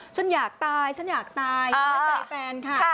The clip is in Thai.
ฉันอยากตายฉันอยากตายน้อยใจแฟนค่ะ